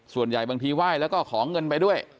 ส่วนใหญ่บางทีไหว้แล้วก็ขอเงินไปด้วย